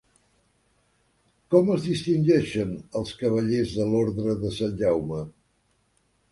Com es distingeixen els cavallers de l'Orde de Sant Jaume?